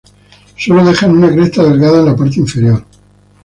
Sólo dejan una cresta delgada en la parte inferior.